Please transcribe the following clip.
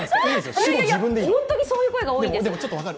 本当にそういう声が多いんです。